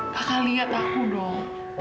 kakak lihat aku dong